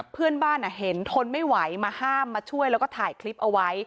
เพื่อนบ้านเห็นทนไม่ไหวมาห้ามมาช่วยแล้วก็ถ่ายคลิปเอาไว้